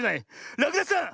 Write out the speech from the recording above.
らくだしさん